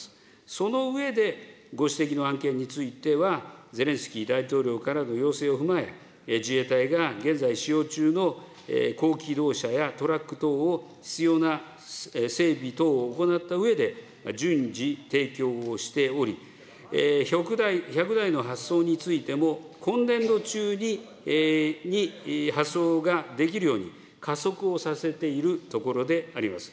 その上でご指摘の案件については、ゼレンスキー大統領からの要請を踏まえ、自衛隊が現在使用中の高機動車やトラック等を必要な整備等を行ったうえで、順次提供をしており、１００台の発送についても、今年度中に発送ができるように、加速をさせているところであります。